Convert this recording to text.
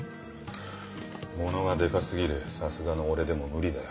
モノがデカ過ぎるさすがの俺でも無理だよ。